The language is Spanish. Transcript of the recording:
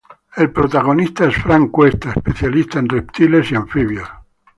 El protagonista es Frank Cuesta, especialista en reptiles y anfibios.